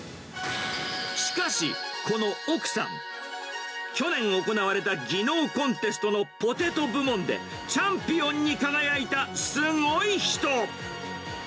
しかし、この奥さん、去年行われた技能コンテストのポテト部門でチャンピオンに輝いたすごい人。